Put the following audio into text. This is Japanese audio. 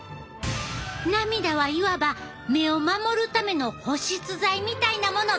涙はいわば目を守るための保湿剤みたいなものってわけやな。